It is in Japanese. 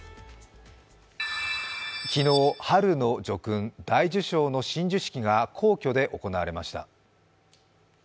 昨日、春の叙勲、大綬章の親授式が皇居で行われました。